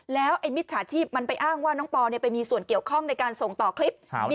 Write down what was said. แล้วไอ้มิจฉาชีพมันไปอ้างว่าน้องปอไปมีส่วนเกี่ยวข้องในการส่งต่อคลิป